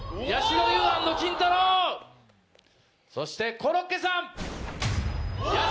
そしてコロッケさん。